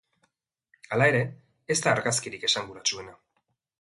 Hala ere, ez da argazkirik esanguratsuena.